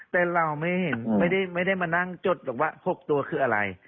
แต่เราไม่ได้มานั่งจดหรอกว่า๖ตัวคืออะไร